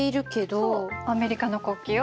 そうアメリカの国旗よ！